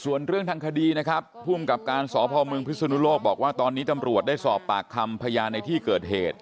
ส่วนเรื่องทางคดีนะครับภูมิกับการสพเมืองพิศนุโลกบอกว่าตอนนี้ตำรวจได้สอบปากคำพยานในที่เกิดเหตุ